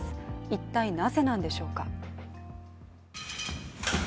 一体なぜなんでしょうか。